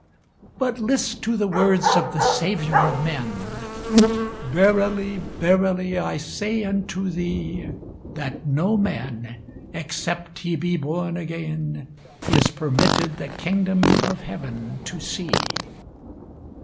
But list to the words of the Saviour of men, "Verily, verily I say unto thee, That no man, except he be born again, Is permitted the kingdom of heaven to see."